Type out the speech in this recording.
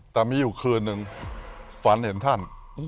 แต่มีอยู่คืนนึงฝันเห็นท่าน